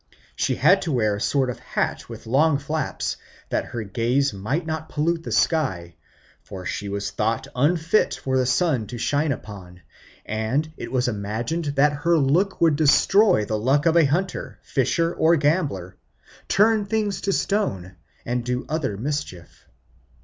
She had to wear a sort of hat with long flaps, that her gaze might not pollute the sky; for she was thought unfit for the sun to shine upon, and it was imagined that her look would destroy the luck of a hunter, fisher, or gambler, turn things to stone, and do other mischief.